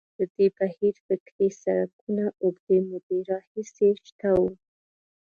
د دې بهیر فکري څرکونه اوږدې مودې راهیسې شته وو.